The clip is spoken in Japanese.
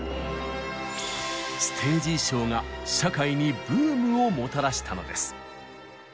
ステージ衣装が社会にブームをもたらしたのです。